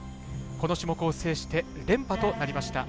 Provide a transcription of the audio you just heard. この種目を制して連覇となりました。